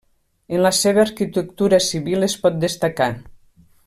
En la seva arquitectura civil es pot destacar.